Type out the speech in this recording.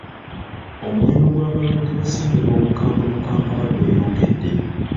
Omuwendo gw'abalwadde ba ssennyiga omukambwe mu Kampala gweyongedde.